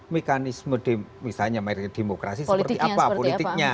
mekanisme misalnya demokrasi seperti apa politiknya